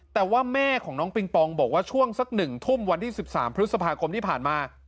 แต่ว่าแม่ของน้องปิงปองบอกว่าช่วงสัก๑ทุ่มวันที่๑๓พฤษภาคมที่ผ่านมา